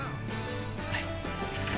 はい。